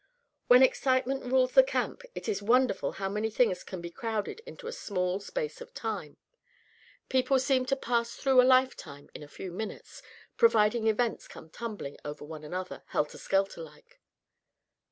When excitement rules the camp it is wonderful how many things can be crowded into a small space of time. People seem to pass through a lifetime in a few minutes, providing events come tumbling over one another, helter skelter like.